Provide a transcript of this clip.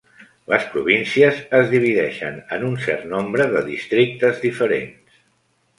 Les províncies es divideixen en un cert nombre de districtes diferents.